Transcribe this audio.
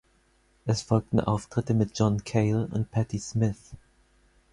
Es folgten Auftritte mit John Cale und Patti Smith.